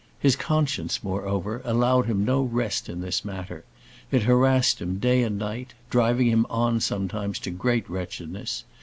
His conscience, moreover, allowed him no rest in this matter: it harassed him day and night, driving him on sometimes to great wretchedness.